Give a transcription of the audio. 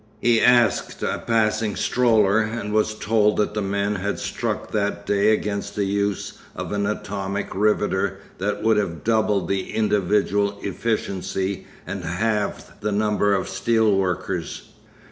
He asked a passing stroller, and was told that the men had struck that day against the use of an atomic riveter that would have doubled the individual efficiency and halved the number of steel workers.